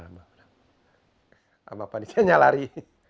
sama panitianya lari